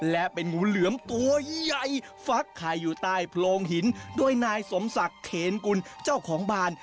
และเป็นงูเหลือมตัวใหญ่ฟักไข่อยู่ใต้โพรงหินโดยนายสมศักดิ์เขนกุลเจ้าของบ้าน